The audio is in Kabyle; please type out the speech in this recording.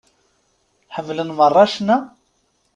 Ḥemmlen meṛṛa ccna?